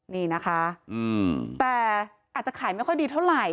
นี่นะคะแต่อาจจะขายไม่ค่อยดีเท่าไหร่